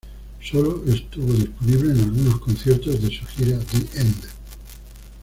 Solo estuvo disponible en algunos conciertos de su gira The End.